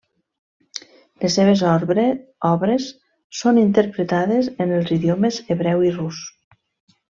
Les seves obres són interpretades en els idiomes hebreu i rus.